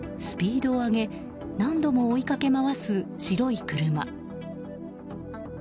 スピードを上げ何度も追いかけ回す白い車。